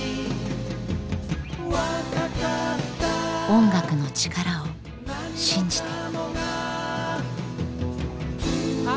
音楽の力を信じて。